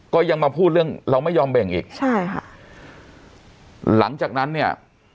ก็ยังมาพูดเรื่องเราไม่ยอมแบ่งอีกใช่ค่ะหลังจากนั้นเนี่ย